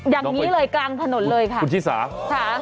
อย่างนี้เลยกลางถนนเลยค่ะคุณชิสาค่ะ